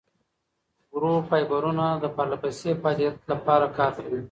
ورو فایبرونه د پرلهپسې فعالیت لپاره کار کوي.